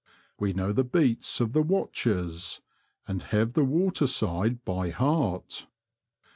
We know the beats of the watchers, and have the water side by heart.